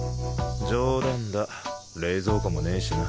冗談だ冷蔵庫もねえしな